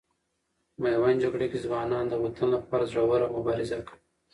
میوند جګړې کې ځوانان د وطن لپاره زړه ور مبارزه کوي.